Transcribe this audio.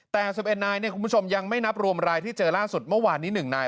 แต่๑๑นายคุณผู้ชมยังไม่นับรวมรายที่เจอล่าสุดเมื่อวานนี้๑นาย